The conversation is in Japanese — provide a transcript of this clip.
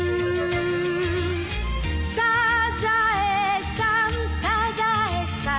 「サザエさんサザエさん」